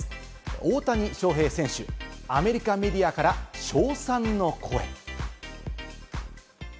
大谷翔平選手、アメリカメディアから称賛の声。